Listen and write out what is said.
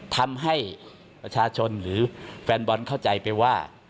ทำให้ประชาชนหรือแฟนบอลเข้าใจไปว่า